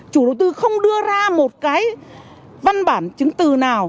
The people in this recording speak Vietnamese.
chủ đầu tư không đưa ra một cái văn bản chứng từ nào